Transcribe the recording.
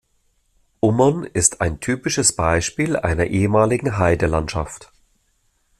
Ummern ist ein typisches Beispiel einer ehemaligen Heidelandschaft.